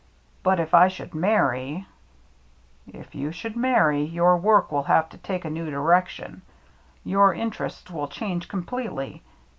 " But if I should marry —" "If you marry, your work will have to take a new direction. Your interests will change completely.